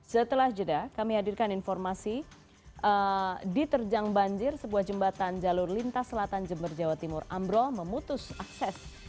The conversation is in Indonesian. setelah jeda kami hadirkan informasi diterjang banjir sebuah jembatan jalur lintas selatan jember jawa timur ambrol memutus akses